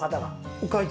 お会計？